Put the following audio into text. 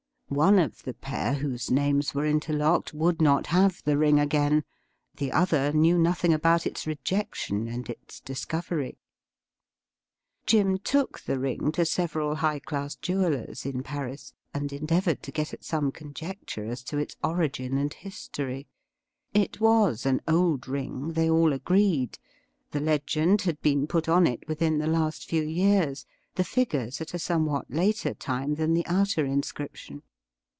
One of the pair whose names were interlocked would not have the ring again ; the other knew nothing about its rejection and its dis covery. Jim took the ring to several high class jewellers in Paris, and endeavom ed to get at some conjecture as to its origin and history. It was an old ring, they all agreed — the legend had been put on it within the last few years — the figures at a somewhat later time than the outer in scription.